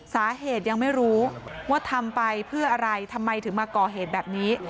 สาเหตุยังไม่รู้ว่าทำไปเพื่ออะไรทำไมถึงมาก่อเหตุแบบนี้